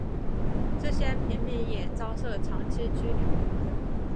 这些平民也遭受长期拘留。